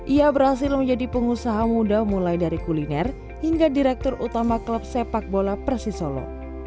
ia berhasil menjadi pengusaha muda mulai dari kuliner hingga direktur utama klub sepak bola persisolo